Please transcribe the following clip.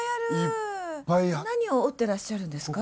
何を織ってらっしゃるんですか？